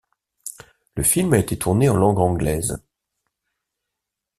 Le film a été tourné en langue anglaise.